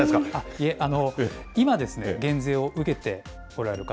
いえ、今ですね、減税を受けておられる方、